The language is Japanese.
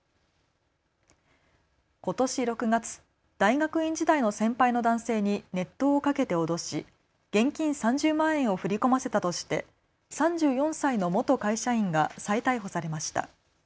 ことし６月、大学院時代の先輩の男性に熱湯をかけて脅し現金３０万円を振り込ませたとして３４歳の元会社員が再逮捕されました。